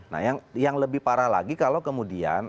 nah yang lebih parah lagi kalau kemudian